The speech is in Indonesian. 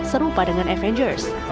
serupa dengan avengers